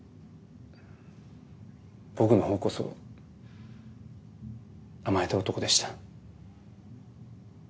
僕のほうこそ甘えた男でした。